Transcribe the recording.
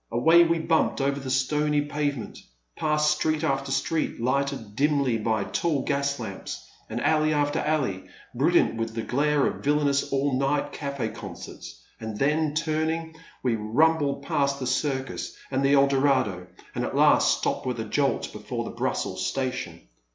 Away we bumped over the stony pavement, past street after street lighted dimly by tall gas lamps, and alley after alley brilliant with the glare of villainous all night caf6 concerts, and then, turning, we rumbled past the Circus and the Eldorado, and at last stopped with a jolt before the Brussels Station.